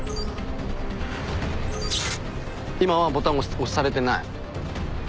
今はボタン押されてない。